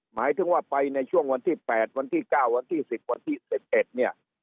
หมายถึงว่าไปในช่วงวันที่๘วันที่๙วันที่๑๐วันที่๑๑เนี่ย